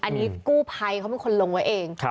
อันนี้กู้ภัยเขาเป็นคนลงไว้เอง